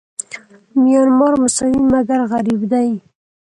میانمار مساوي مګر غریب دی.